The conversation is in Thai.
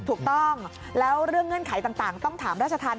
ถูกต้องแล้วเรื่องเงื่อนไขต่างต้องถามราชธรรม